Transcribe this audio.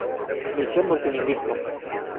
Misión Multilingüismo.